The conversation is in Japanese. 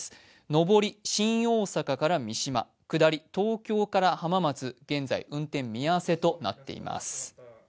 上り、新大阪から三島、下り、東京から浜松、現在、運転見合わせとなっています。